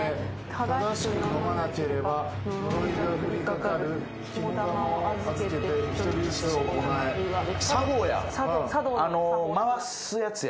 「正しく飲まなければ呪いが降りかかる」「肝だまをあずけて一人ずつ行え」回すやつや。